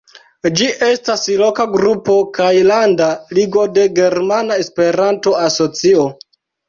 Ĝi estas loka grupo kaj landa ligo de Germana Esperanto-Asocio.